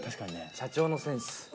社長のセンス。